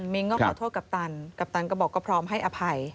มิ้งก็ขอโทษกัปตันกัปตันก็บอกก็พร้อมให้อภัย